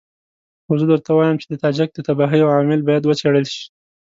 خو زه درته وایم چې د تاجک د تباهۍ عوامل باید وڅېړل شي.